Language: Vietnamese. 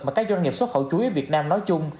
mà các doanh nghiệp xuất khẩu chuối việt nam nói chung